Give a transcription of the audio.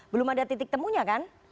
belum ada titik temunya kan